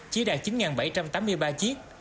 chỉ đạt chín chiếc